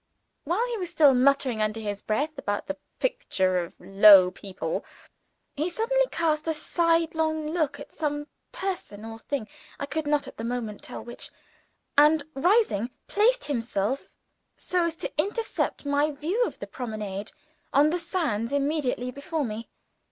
While he was still muttering under his breath about the "mixture of low people," he suddenly cast a side look at some person or thing I could not at the moment tell which and, rising, placed himself so as to intercept my view of the promenade on the sands immediately before me.